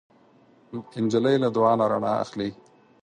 نجلۍ له دعا نه رڼا اخلي.